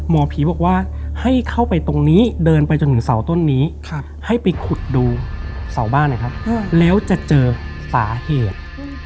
หมอผีบอกว่าให้เข้าไปตรงนี้เดินไปจนถึงเสาต้นนี้ให้ไปขุดดูเสาบ้านหน่อยครับแล้วจะเจอสาเหตุ